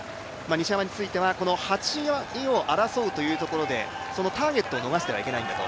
西山については、８位を争うというところで、ターゲットを逃してはいけないのだと。